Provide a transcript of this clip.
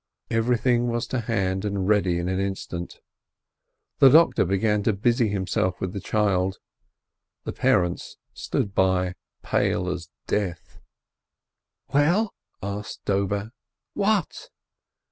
Everything was to hand and ready in an instant. The doctor began to busy himself with the child, the parents stood by pale as death. "Well," asked Dobe, "what?"